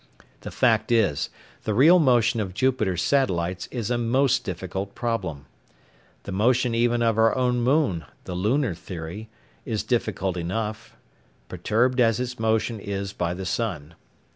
The fact is, the real motion of Jupiter's satellites is a most difficult problem. The motion even of our own moon (the lunar theory) is difficult enough: perturbed as its motion is by the sun.